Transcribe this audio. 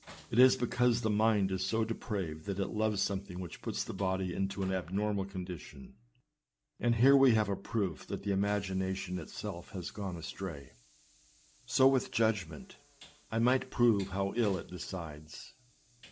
It is because the mind is so depraved that it loves something which puts the body into an abnormal condition ; and here we have a proof that the imagination itself has gone astray. So with the judgment — I might prove how ill it decides.